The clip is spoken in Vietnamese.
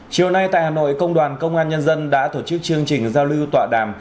chiều nay tại hà nội công đoàn công an nhân dân đã tổ chức chương trình giao lưu tọa đàm